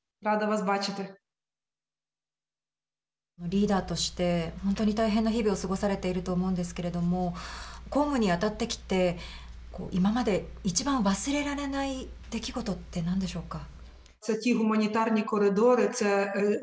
リーダーとして本当に大変な日々を過ごされていると思うんですけど公務に当たってきて今まで一番忘れられない出来事ってなんでしょうか。